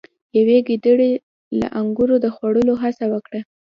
یوې ګیدړې له انګورو د خوړلو هڅه وکړه.